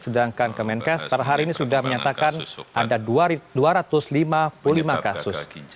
sedangkan kemenkes per hari ini sudah menyatakan ada dua ratus lima puluh lima kasus